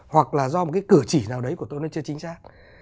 hoặc là do một cái cửa chỉ nào đấy của tôi nó chưa chính xác